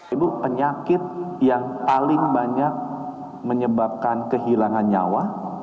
ibu penyakit yang paling banyak menyebabkan kehilangan nyawa